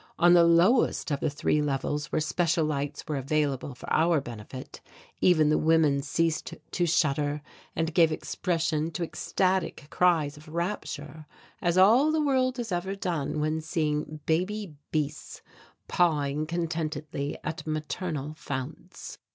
On the lowest of the three levels where special lights were available for our benefit even the women ceased to shudder and gave expression to ecstatic cries of rapture, as all the world has ever done when seeing baby beasts pawing contentedly at maternal founts.